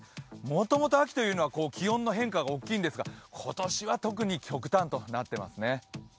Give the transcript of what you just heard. もともと秋というのは気温の変化が大きいんですが、今年は特に極端となっていますね。